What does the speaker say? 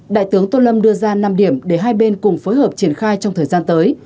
đại tướng tô lâm đưa ra năm điểm để hai bên cùng phối hợp triển khai trong thời gian tới